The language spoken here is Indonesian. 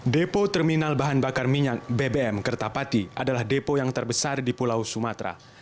depo terminal bahan bakar minyak bbm kertapati adalah depo yang terbesar di pulau sumatera